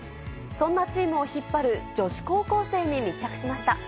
そんなチームを引っ張る女子高校生に密着しました。